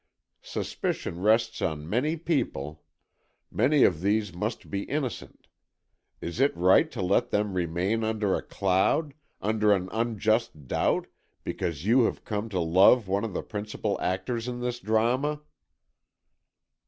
Suspicion rests on many people. Many of these must be innocent. Is it right to let them remain under a cloud, under an unjust doubt, because you have come to love one of the principal actors in this drama?"